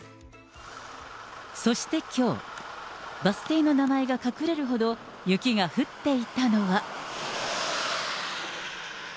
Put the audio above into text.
そしてきょう、バス停の名前が隠れるほど雪が降っていたのは。